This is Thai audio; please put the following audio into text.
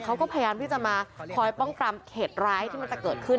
เขาก็พยายามที่จะมาคอยป้องปรามเหตุร้ายที่มันจะเกิดขึ้น